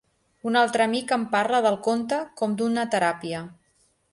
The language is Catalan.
Un altre amic em parla del conte com d'una teràpia.